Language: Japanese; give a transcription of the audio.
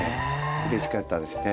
うれしかったですね